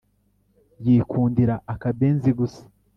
Yikundira akabenzi gusa